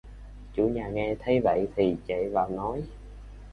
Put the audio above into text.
Chủ nhà nghe thấy vậy thì chạy vào nói